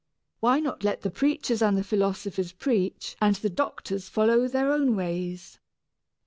Why not let the preachers and the philosophers preach and the doctors follow their own ways?"